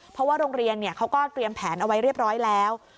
เพราะว่าโรงเรียนเขาก็เตรียมแผนเอาไว้เรียบร้อยแล้ว